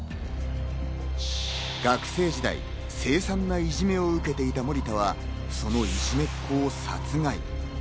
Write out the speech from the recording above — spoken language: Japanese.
学生時代、凄惨ないじめを受けていた森田は、そのいじめっ子を殺害。